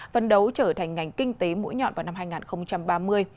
phấn đấu trở thành ngành kinh tế mũi nhọn vào năm hai nghìn ba mươi